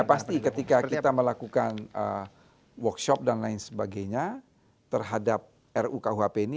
ya pasti ketika kita melakukan workshop dan lain sebagainya terhadap rukuhp ini